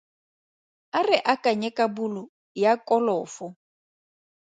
A re akanye ka bolo ya kolofo.